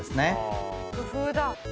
工夫だ。